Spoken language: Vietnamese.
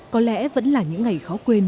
có lẽ vẫn là những ngày khó quên